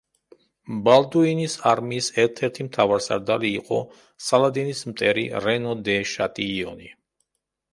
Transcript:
ბალდუინის არმიის ერთ-ერთი მთავარსარდალი იყო სალადინის მტერი რენო დე შატიიონი.